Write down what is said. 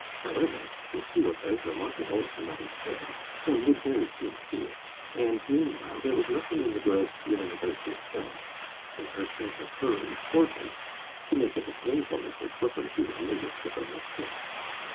However, if she was as remarkable as her mother said, one would very soon see it; and meanwhile there was nothing in the girl's feeling about herself, in her sense of her importance, to make it a painful effort for her to run the risk of a mistake.